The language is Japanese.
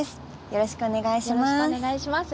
よろしくお願いします。